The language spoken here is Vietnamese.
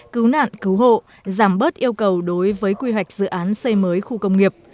cứu nạn cứu hộ giảm bớt yêu cầu đối với quy hoạch dự án xây mới khu công nghiệp